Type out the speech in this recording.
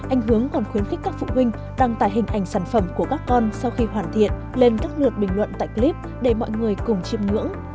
anh hướng còn khuyến khích các phụ huynh đăng tải hình ảnh sản phẩm của các con sau khi hoàn thiện lên các lượt bình luận tại clip để mọi người cùng chiêm ngưỡng